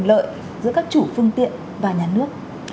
lợi giữa các chủ phương tiện và nhà nước